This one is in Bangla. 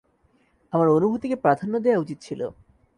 আমার অনুভূতিকে প্রাধান্য দেয়া উচিত ছিল।